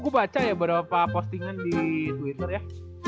gue baca ya beberapa postingan di twitter ya